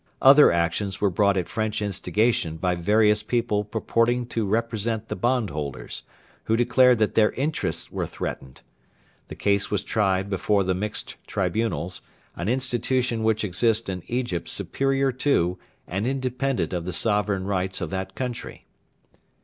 Other actions were brought at French instigation by various people purporting to represent the bondholders, who declared that their interests were threatened. The case was tried before the Mixed Tribunals, an institution which exists in Egypt superior to and independent of the sovereign rights of that country.